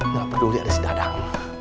gak peduli ada si dadang